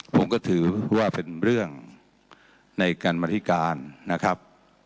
ผมก็ถือว่าเป็นเรื่องในการมาธิการนะครับ